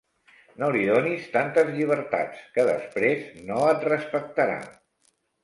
No li donis tantes llibertats, que després no et respectarà.